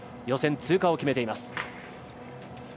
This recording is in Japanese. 予選通過を決めています。